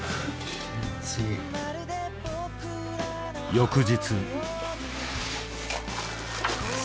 翌日。